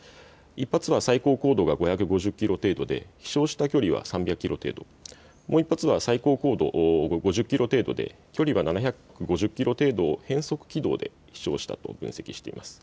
１発は最高高度が５５０キロ程度で、飛しょうした距離は３００キロ程度、もう１発は最高高度５０キロ程度で距離は７５０キロ程度を変則軌道で飛しょうしたと分析しています。